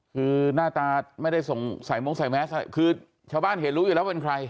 คือหน้าตาไม่ได้ส่งสายมุ้งสายแมสค่ะคือชาวบ้านเห็นรู้อยู่แล้วว่าเป็นใคร